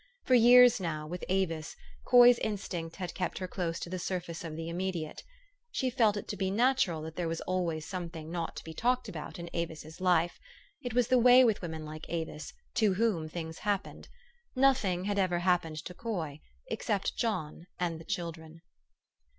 For years now, with Avis, Coy's instinct had kept her close to the surface of the immediate. She felt it to be natural, that there was always something not to be talked about in Avis's life : it was the way with women like Avis, to whom things happened. Noth ing had ever happened to Coy except John and the children.